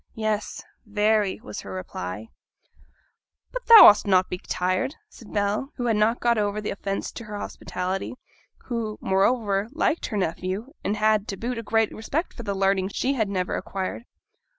'Yes, very,' was her reply. 'But thou ought'st not to be tired,' said Bell, who had not yet got over the offence to her hospitality; who, moreover, liked her nephew, and had, to boot, a great respect for the learning she had never acquired.